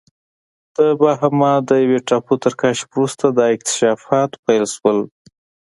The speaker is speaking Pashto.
د باهاما د یوې ټاپو تر کشف وروسته دا اکتشافات پیل شول.